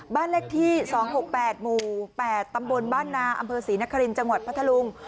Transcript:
บ้านเลขที่๒๖๘หมู่๘ตำบลบ้านนาอำเภอศรีนครินทร์จังหวัดพัทธลุง